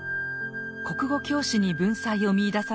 国語教師に文才を見いだされて詩を書き始めました。